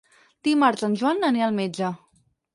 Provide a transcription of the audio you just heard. Dimarts en Joan anirà al metge.